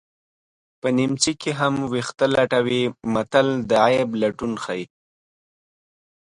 په نیمڅي کې هم ویښته لټوي متل د عیب لټون ښيي